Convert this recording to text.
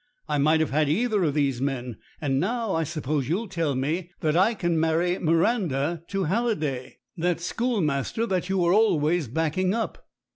I might have had either of these men. And now, I suppose, you'll tell me that I can marry Miranda to Halliday, 47 that schoolmaster that you were always backing up."